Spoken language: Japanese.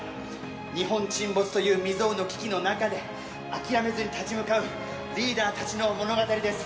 日本沈没という未曾有の危機の中で、諦めずに立ち向かうリーダーたちの物語です。